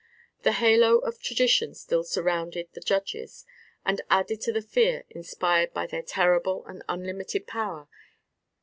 The halo of tradition still surrounded the judges, and added to the fear inspired by their terrible and unlimited power.